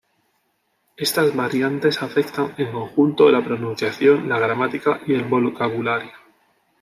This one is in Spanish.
Estas variantes afectan en conjunto la pronunciación, la gramática y el vocabulario.